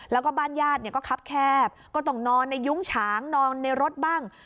แล้วก็บ้านญาติเนี่ยก็คับแคบก็ต้องนอนในยุ้งฉางนอนในรถบ้าง